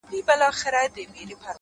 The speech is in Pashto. خندا چي تاته در پرې ايښې په ژرا مئين يم’